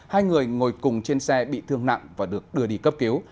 hai người ngồi cùng trên xe bị thương nặng và được đưa đi cấp cứu